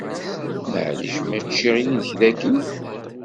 Maɛlic ma ččiɣ yid-k dagi?